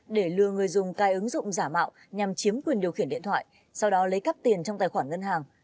để lừa người dùng cai ứng dụng giả mạo nhằm chiếm quyền điều khiển điện thoại sau đó lấy cắp tiền trong tài khoản ngân hàng